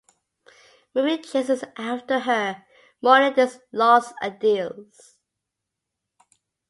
Mimi chases after her, mourning his lost ideals.